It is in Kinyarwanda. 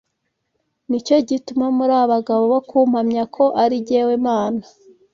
Ni cyo gituma muri abagabo bo kumpamya, ko ari jyewe Mana